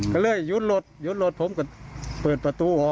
คงเลยหยุดลดหยุดลดผมก็เปิดปะตให้หนึ่ง